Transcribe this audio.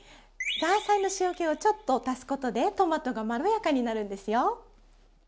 ザーサイの塩けをちょっと足すことでトマトがまろやかになるんですよ。